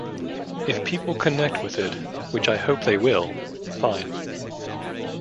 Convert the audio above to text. If people connect with it, which I hope they will, fine.